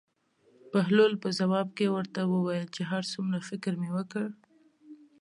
بهلول په ځواب کې ورته وویل چې هر څومره فکر مې وکړ.